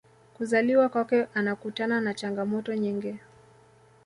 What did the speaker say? kuzaliwa kwake anakutana na changamoto nyingi